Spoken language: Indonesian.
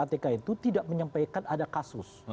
ketua ppat itu tidak menyampaikan ada kasus